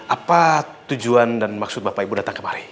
apa tujuan dan maksud bapak ibu datang kemarin